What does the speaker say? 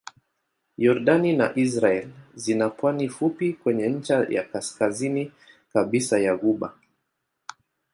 Yordani na Israel zina pwani fupi kwenye ncha ya kaskazini kabisa ya ghuba.